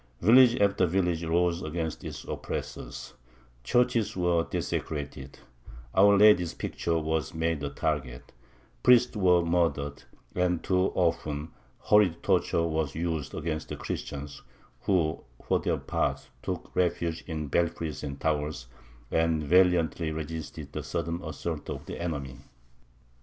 Village after village rose against its oppressors; churches were desecrated, Our Lady's picture was made a target, priests were murdered, and too often horrid torture was used against the Christians, who, for their part, took refuge in belfries and towers, and valiantly resisted the sudden assault of the enemy.